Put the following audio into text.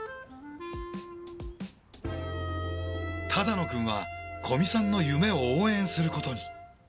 只野くんは古見さんの夢を応援することに。